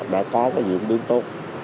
đã có dưỡng đương tốt